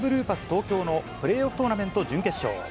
東京のプレーオフトーナメント準決勝。